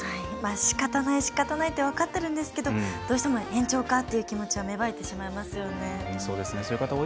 しかたないしかたないって分かっているんですけどどうしても延長かという気持ちは芽生えてしまいますよね。